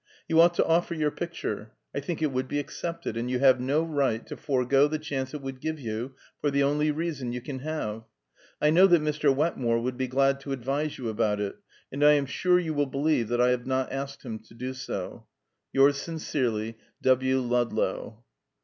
You ought to offer your picture; I think it would be accepted, and you have no right to forego the chance it would give you, for the only reason you can have. I know that Mr. Wetmore would be glad to advise you about it; and I am sure you will believe that I have not asked him to do so. "Yours sincerely, "W. LUDLOW."